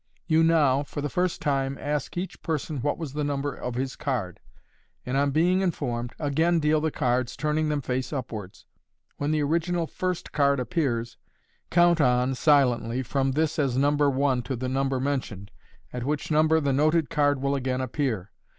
You now, for the first time, ask each person what was the number of his card, and, on being informed, again deal the cards, turning them face upwards. When the original first card appears, count on (silently) frorr this as number one to the number mentioned, at which number the noted card will again appear.